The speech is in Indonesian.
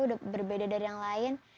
udah berbeda dari yang lain